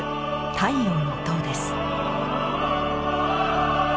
「太陽の塔」です。